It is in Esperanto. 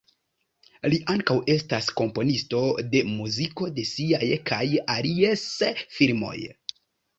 Li ankaŭ estas komponisto de muziko de siaj kaj alies filmoj.